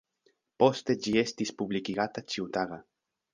Poste ĝi estis publikigata ĉiutaga.